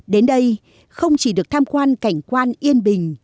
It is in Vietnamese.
đến đây không chỉ được tham quan cảnh quan yên bình